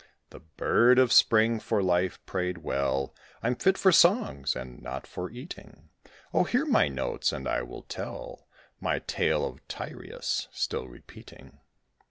The bird of Spring for life prayed well "I'm fit for songs, and not for eating; Oh, hear my notes, and I will tell My tale of Tyreus, still repeating."